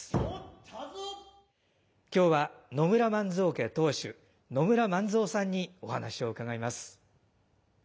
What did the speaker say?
今日は野村万蔵家当主野村万蔵さんにお話を伺います。